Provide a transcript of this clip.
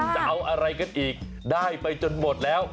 จะเอาอะไรกันอีกได้ไปจนหมดแล้ว